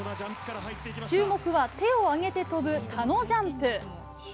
注目は手を上げて跳ぶタノジャンプ。